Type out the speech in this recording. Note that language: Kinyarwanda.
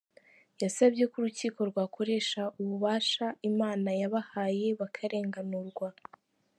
Yasabye ko urukiko rwakoresha ububasha Imana yabahaye bakarenganurwa.